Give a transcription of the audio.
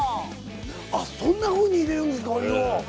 あっそんなふうに入れるんですかお湯を。